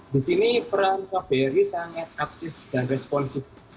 di sini peran kbri sangat aktif dan responsif